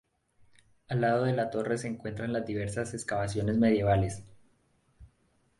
Al lado de la torre se encuentran las diversas excavaciones medievales.